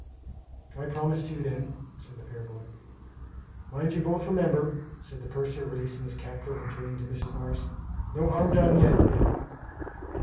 "I promise, too, then," said the fair boy. "Mind you both remember," said the purser, releasing his captive; and turning to Mrs. Morris: "No harm done yet ma'am."